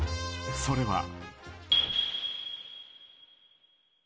それは。